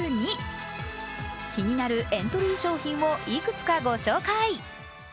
気になるエントリー商品をいくつかご紹介。